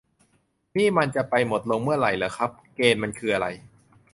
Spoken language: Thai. นี่มันจะไปหมดลงเมื่อไหร่เหรอครับ เกณฑ์มันคืออะไร